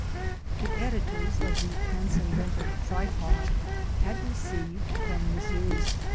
The editors of The Transcendental Tripod had received from Messrs.